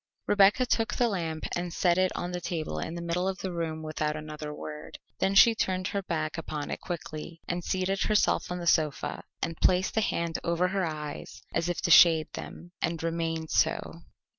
Rebecca took the lamp and set it on the table in the middle of the room without another word. Then she turned her back upon it quickly and seated herself on the sofa, and placed a hand over her eyes as if to shade them, and remained so.